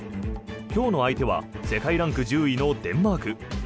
今日の相手は世界ランク１０位のデンマーク。